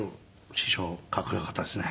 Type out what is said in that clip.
師匠かっこよかったですね。